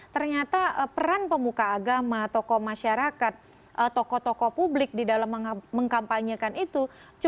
ternyata peran pemuka agama tokoh masyarakat tokoh tokoh publik di dalam mengkampanyekan itu